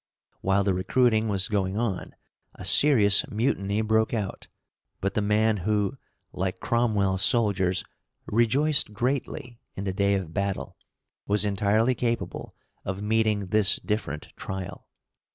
While the recruiting was going on, a serious mutiny broke out, but the man who, like Cromwell's soldiers, "rejoiced greatly" in the day of battle was entirely capable of meeting this different trial.